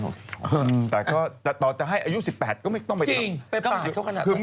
แต่ต่อจะให้อายุ๑๘ก็ไม่ต้องไปแกล้ง